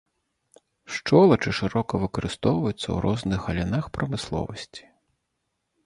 Шчолачы шырока выкарыстоўваюцца ў розных галінах прамысловасці.